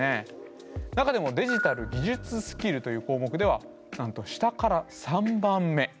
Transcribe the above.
中でも「デジタル・技術スキル」という項目ではなんと下から３番目。